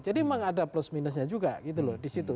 jadi memang ada plus minusnya juga gitu loh disitu